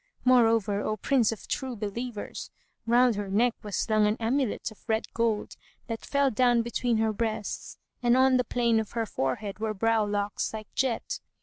[FN#156] Moreover, O Prince of True Believers, round her neck was slung an amulet of red gold that fell down between her breasts, and on the plain of her forehead were browlocks like jet.